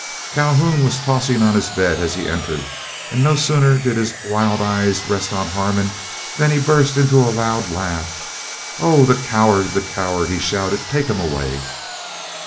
Calhoun was tossing on his bed, as he entered, and no sooner did his wild eyes rest on Harmon than he burst into a loud laugh, "Oh! the coward! the coward!" he shouted, "take him away."